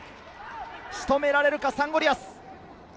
仕留められるか、サンゴリアス。